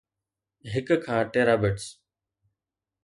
هڪ کان terabits